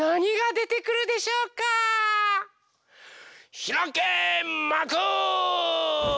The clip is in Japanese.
ひらけまく！